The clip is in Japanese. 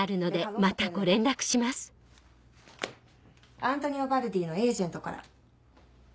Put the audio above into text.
アントニオ・バルディのエージェントから。